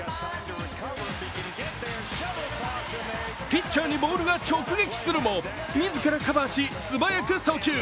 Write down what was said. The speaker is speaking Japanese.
ピッチャーにボールが直撃するも、自らカバーし、素早く送球。